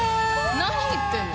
何言ってんの？